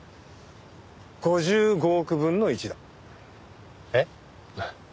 ５５億分の１だ。えっ？